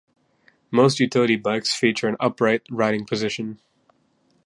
Most utility bikes feature an upright riding position.